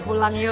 ya pulang yuk